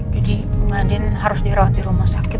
jadi mbak andien harus dirawat di rumah sakit